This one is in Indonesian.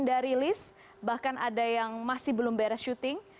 dan kemudian ada yang masih belum beres syuting